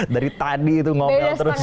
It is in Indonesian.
dari tadi itu ngomel terus